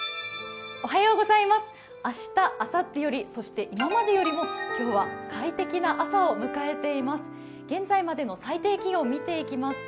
明日、あさってより、そして今までよりも今日は快適な朝を迎えています。